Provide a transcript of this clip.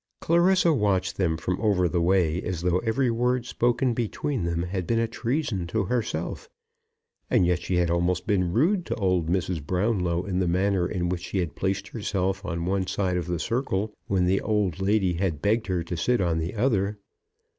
Clarissa watched them from over the way as though every word spoken between them had been a treason to herself. And yet she had almost been rude to old Mrs. Brownlow in the manner in which she had placed herself on one side of the circle when the old lady had begged her to sit on the other.